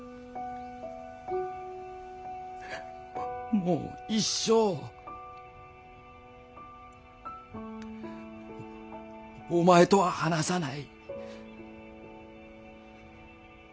もう一生お前とは話さない。